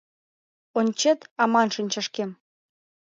Ончет аман шинчашкем.